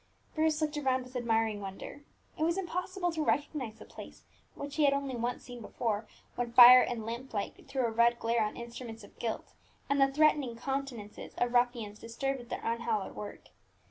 Bruce looked around him with admiring wonder. It was impossible to recognize the place, which he had only once seen before, when fire and lamp light threw a red glare on instruments of guilt, and the threatening countenances of ruffians disturbed at their unhallowed work.